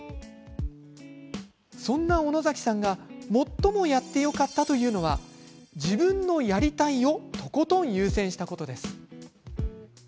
そんな小野崎さんが最もやってよかったというのは自分のやりたいをとことん優先したことです。